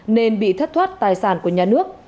nên bị thất thoát tài sản của nhà nước